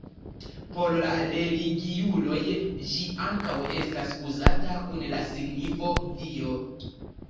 Por religiuloj ĝi ankaŭ estas uzata kun la signifo Dio.